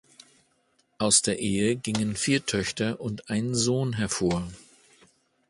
Aus der Ehe gingen vier Töchter und ein Sohn hervor.